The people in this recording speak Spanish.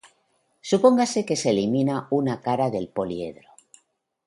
Supóngase que se elimina una cara del poliedro.